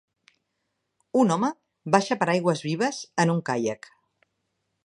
Un home baixa per aigües vives en un caiac